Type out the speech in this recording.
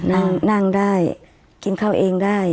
นั่งนั่งได้กินข้าวเองได้